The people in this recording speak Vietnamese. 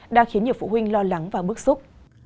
đang khiến nhiều phụ huynh lo lắng và bức xúc